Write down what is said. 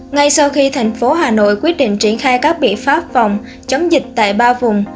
ngay sau khi thành phố hà nội quyết định triển khai các biện pháp phòng chống dịch tại ba vùng